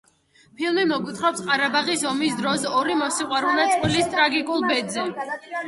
ფილმი მოგვითხრობს ყარაბაღის ომის დროს ორი მოსიყვარულე წყვილის ტრაგიკულ ბედზე.